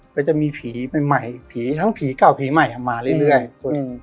ก็จะมีผีใหม่ผีทั้งผีเก่าผีใหม่มาเรื่อย